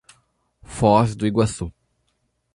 Foz do Iguaçu